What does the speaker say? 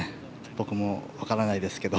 僕もわからないですけど。